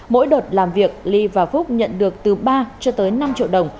mỗi đợt làm việc ly và phúc nhận được từ ba cho tới năm triệu đồng